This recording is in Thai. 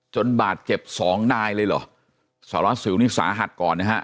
จนบาดเจ็บสองนายเลยเหรอสร้างรัฐสินิศาธัดก่อน